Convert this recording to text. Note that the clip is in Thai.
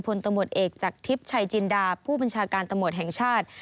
ตำรวจเอกจากทิพย์ชัยจินดาผู้บัญชาการตำรวจแห่งชาติ